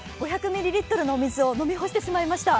５００ミリリットルのお水を飲み干してしまいました。